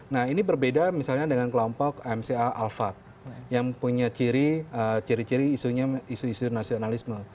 nah ini berbeda misalnya dengan kelompok mca alfat yang punya ciri ciri isunya isu isu nasionalisme